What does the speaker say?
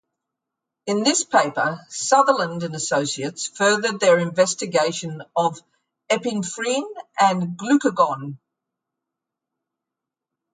In this paper, Sutherland and associates furthered their investigation of epinephrine and glucagon.